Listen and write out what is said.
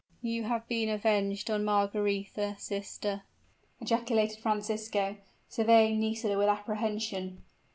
"You have been avenged on Margaretha, sister," ejaculated Francisco, surveying Nisida with apprehension.